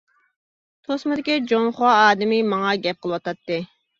توسمىدىكى جۇڭخۇا ئادىمى ماڭا گەپ قىلىۋاتاتتى.